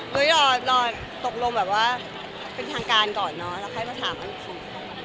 เดี๋ยวรอรอตกลงแบบว่าเป็นทางการก่อนเนาะแล้วให้มาถามอันคุณ